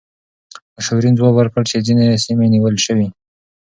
مشاورین ځواب ورکړ چې ځینې سیمې نیول شوې دي.